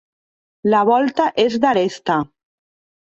La volta és d'aresta.